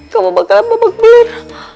kamu bakalan mabak beler